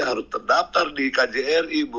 harus terdaftar di kjri